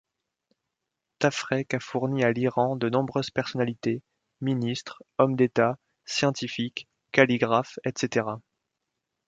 Tafrech a fourni à l'Iran de nombreuses personnalités, ministres, hommes d'État, scientifiques, calligraphes, etc.